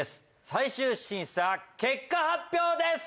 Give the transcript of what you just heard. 最終審査結果発表です！